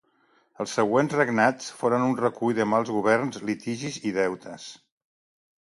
Els següents regnats foren un recull de mals governs, litigis i deutes.